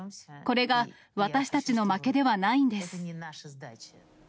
これが私たちの負けではないんです。